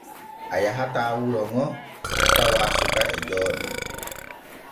A yahataa wuro ŋo tawaa suka e jooɗii.